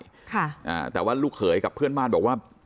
ฟูงพึ่งขึ้นไปค่ะอ่าแต่ว่าลูกเคยกับเพื่อนบ้านบอกว่า